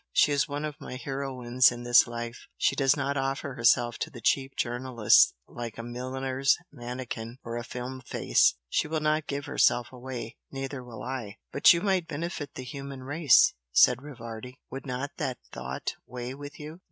She is one of my heroines in this life she does not offer herself to the cheap journalist like a milliner's mannequin or a film face. She will not give herself away neither will I!" "But you might benefit the human race" said Rivardi "Would not that thought weigh with you?"